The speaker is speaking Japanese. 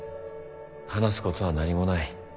話すことは何もない。